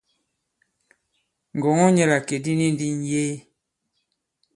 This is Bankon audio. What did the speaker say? Ngɔ̀ŋɔ nyɛ la ìkè di ni ndi ŋ̀yee.